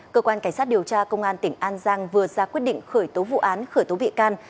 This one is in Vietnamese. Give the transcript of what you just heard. cơ quan cảnh sát điều tra công an tỉnh an giang vừa ra quyết định khởi tố vụ án khởi tố bị can